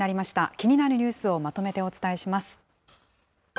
気になるニュースをまとめてお伝えします。